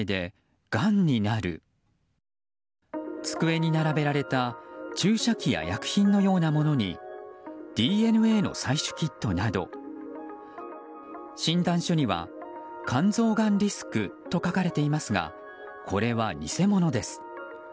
机に並べられた注射器や薬品のようなものにＤＮＡの採取キットなど診断書には、肝臓がんリスクと書かれていますがこれは偽物です。